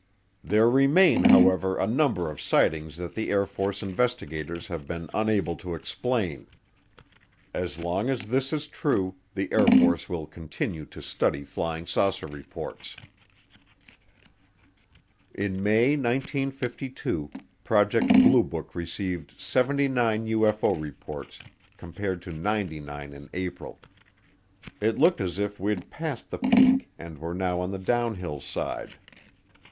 There remain, however, a number of sightings that the Air Force investigators have been unable to explain. As long as this is true, the Air Force will continue to study flying saucer reports." In May 1952, Project Blue Book received seventy nine UFO reports compared to ninety nine in April. It looked as if we'd passed the peak and were now on the downhill side.